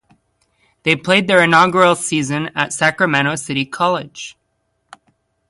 They played their inaugural season at Sacramento City College.